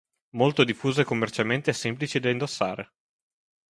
Molto diffuse commercialmente e semplici da indossare.